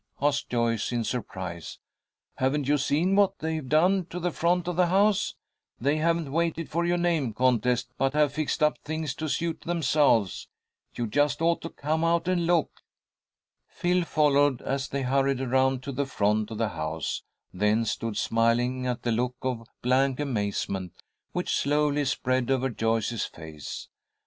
asked Joyce, in surprise. "Haven't you seen what they've done to the front of the house? They haven't waited for your name contest, but have fixed up things to suit themselves. You just ought to come out and look!" Phil followed as they hurried around to the front of the house, then stood smiling at the look of blank amazement which slowly spread over Joyce's face.